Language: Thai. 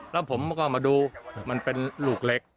แล้วผมก็มาดูมันเป็นลูกเล็ก